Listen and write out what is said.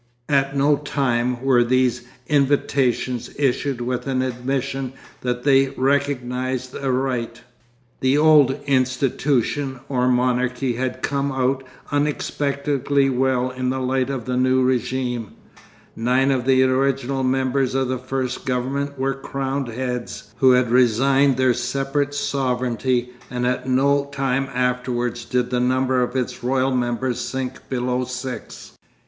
At no time were these invitations issued with an admission that they recognised a right. The old institution or monarchy had come out unexpectedly well in the light of the new régime. Nine of the original members of the first government were crowned heads who had resigned their separate sovereignty, and at no time afterwards did the number of its royal members sink below six.